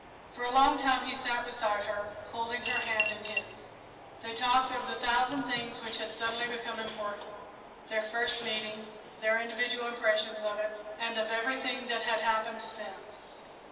For a long time he sat beside her, holding her hand in his. They talked of the thousand things which had suddenly become important their first meeting, their individual impressions of it, and of everything that had happened since.